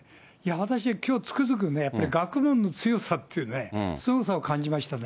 私きょう、つくづくね、やっぱり学問の強さっていうね、すごさを感じましたね。